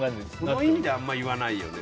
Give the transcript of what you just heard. そういう意味であんまり言わないよね。